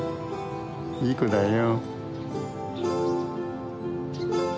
いい子だよ。